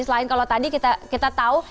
selain kalau tadi kita tahu